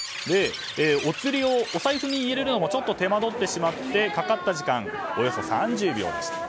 お釣りをお財布に入れるのもちょっと手間どってしまってかかった時間はおよそ３０秒でした。